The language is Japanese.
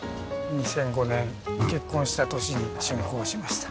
２００５年結婚した年に竣工しました。